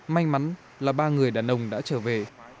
may mắn là ba người đàn ông đã trở về